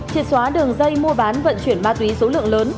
triệt xóa đường dây mua bán vận chuyển ma túy số lượng lớn